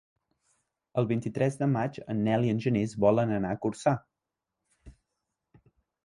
El vint-i-tres de maig en Nel i en Genís volen anar a Corçà.